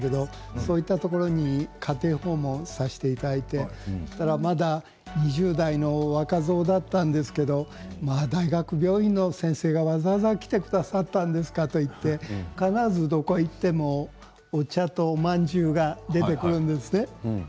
そういったところに家庭訪問させていただいてまだ２０代の若造だったんですけれども大学病院の先生がわざわざ来てくださったんですかといって必ずどこに行ってもお茶とおまんじゅうが出てくるんですね。